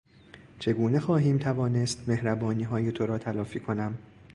چگونه خواهیم توانست مهربانیهای تو را تلافی کنم.